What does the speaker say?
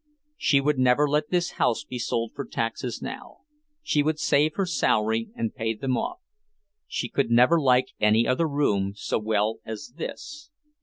She would never let this house be sold for taxes now. She would save her salary and pay them off. She could never like any other room so well as this.